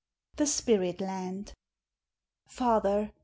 THE SPIRIT LAND. Father!